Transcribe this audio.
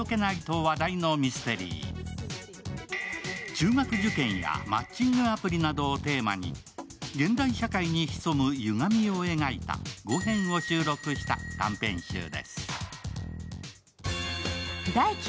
中学受験やマッチングアプリなどをテーマに現代社会に潜むゆがみを描いた５編を収録した短編集です。